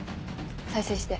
再生して。